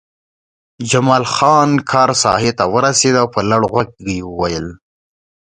جمال خان کار ساحې ته ورسېد او په لوړ غږ یې وویل